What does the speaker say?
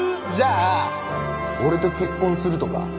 じゃあ俺と結婚するとか